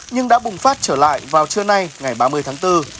nhưng đã bùng phát trở lại vào trưa nay ngày ba mươi tháng bốn